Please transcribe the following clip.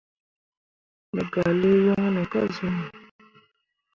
Me gah lii hunni ka zuni.